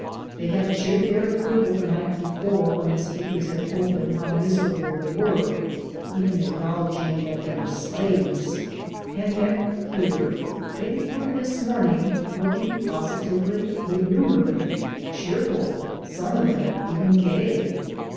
They had cheered their approval the night before when the speakers had told them how miserable they were (even acknowledging that they were slaves), and yet here they were this morning looking positively good humoured, cheerful, some of them even gay.